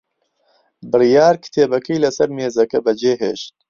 بڕیار کتێبەکەی لەسەر مێزەکە بەجێهێشت.